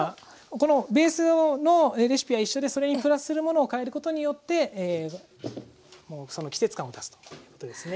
このベースのレシピは一緒でそれにプラスするものを変えることによってその季節感を出すということですね。